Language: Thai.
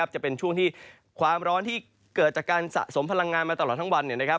จะเป็นช่วงที่ความร้อนที่เกิดจากการสะสมพลังงานมาตลอดทั้งวัน